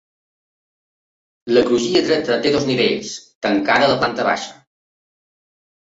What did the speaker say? La crugia dreta té dos nivells, tancada la planta baixa.